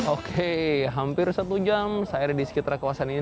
oke hampir satu jam saya ada di sekitar kawasan ini